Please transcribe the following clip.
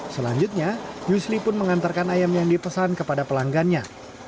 selanjutnya yusli pun mengantarkan ayam yang dipesan kepada pelanggannya